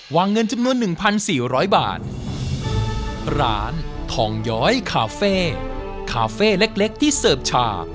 เงินจำนวนหนึ่งพันสี่ร้อยบาทร้านทองย้อยคาเฟ่คาเฟ่เล็กเล็กที่เสิร์ฟชา